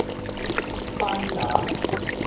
板膋